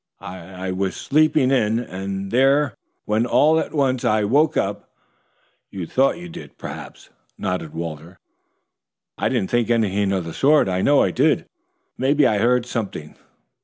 "I I was sleeping in in there when all at once I woke up " "You thought you did, perhaps," nodded Walter. "I didn't think anything of the sort. I know I did. Maybe I'd heard something.